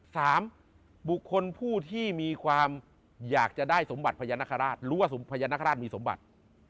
สามบุคคลผู้ที่มีความอยากจะได้สมบัติพญานาคาราชหรือว่าพญานาคาราชมีสมบัติ